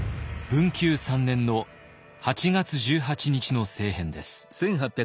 文久３年の八月十八日の政変です。